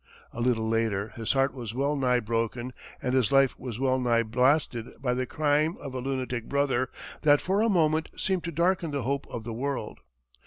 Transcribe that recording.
A little later his heart was well nigh broken and his life was well nigh blasted by the crime of a lunatic brother that for a moment seemed to darken the hope of the world.